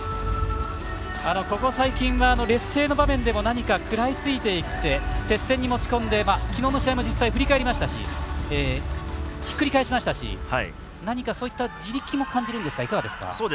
ここ最近は劣勢の場面でも何か食らいついていって接戦に持ち込んで昨日の試合も実際ひっくり返しましたし何かそういった地力も感じるんですがいかがですか。